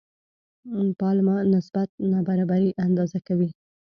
پالما نسبت نابرابري اندازه کوي.